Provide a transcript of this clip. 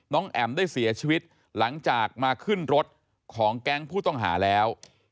แอ๋มได้เสียชีวิตหลังจากมาขึ้นรถของแก๊งผู้ต้องหาแล้ว